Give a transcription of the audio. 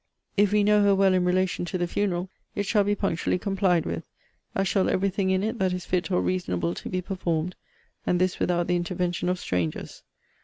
If we know her well in relation to the funeral, it shall be punctually complied with; as shall every thing in it that is fit or reasonable to be performed; and this without the intervention of strangers.